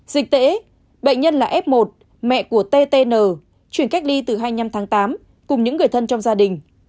dịch tễ bệnh nhân là f một mẹ của ttn chuyển cách ly từ hai mươi năm tháng tám cùng những người thân trong gia đình